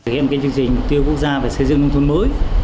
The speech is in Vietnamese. khi em kinh tư trình tiêu quốc gia về xây dựng nông thôn mới